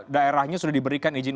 daerahnya sudah diberikan izin